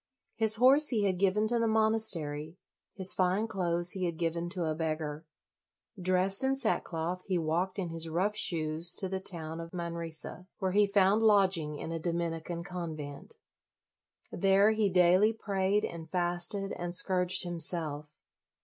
His horse he had given to the monastery; his fine clothes he had given to a beggar. Dressed in sackcloth, he walked in his rough shoes to the town of Manresa, where he found lodging in a Dominican convent. There he daily prayed and fasted and scourged himself.